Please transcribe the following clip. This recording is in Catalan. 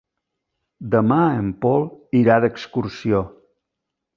Demà en Pol irà d'excursió.